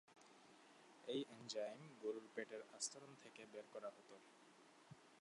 এই এনজাইম গরুর পেটের আস্তরণ থেকে বের করা হতো।